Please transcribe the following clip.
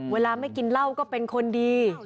เวลาไม่กินเหล้าก็เป็นคนดี